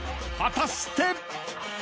［果たして！？］